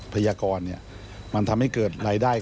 ที่วุฒิราชรันติ์